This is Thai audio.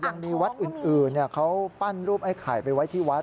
ยังมีวัดอื่นเขาปั้นรูปไอ้ไข่ไปไว้ที่วัด